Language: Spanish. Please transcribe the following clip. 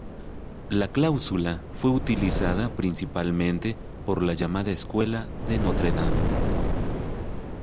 La cláusula fue utilizada principalmente por la llamada Escuela de Notre Dame.